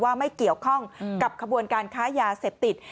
ว่าไม่เกี่ยวข้องกับขบวนการค้ายาเสพติด